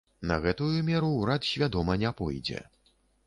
На гэтую меру ўрад свядома не пойдзе.